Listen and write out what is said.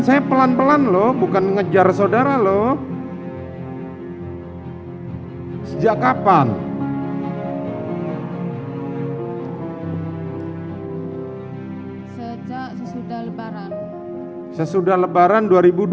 saya pelan pelan loh bukan mengejar saudara loh sejak kapan sejak sesudah lebaran sesudah lebaran